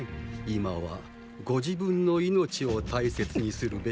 今はご自分の命を大切にするべきでは？